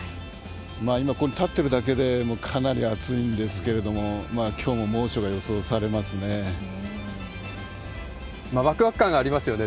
今、ここに立ってるだけでもうかなり暑いんですけど、きょうも猛暑が予想されますね。